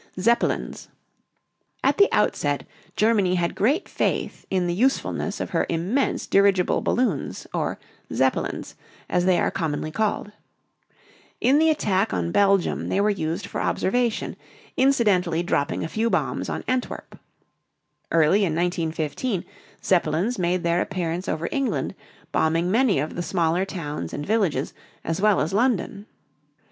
ZEPPELINS. At the outset Germany had great faith in the usefulness of her immense dirigible balloons, or Zep´pelins, as they are commonly called. In the attack on Belgium, they were used for observation, incidentally dropping a few bombs on Antwerp. Early in 1915, Zeppelins made their appearance over England, bombing many of the smaller towns and villages, as well as London.